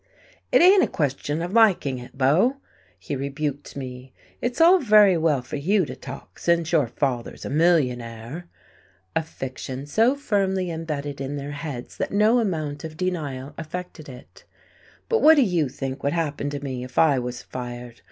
"It ain't a question of liking it, Beau," he rebuked me. "It's all very well for you to talk, since your father's a millionaire" (a fiction so firmly embedded in their heads that no amount of denial affected it), "but what do you think would happen to me if I was fired?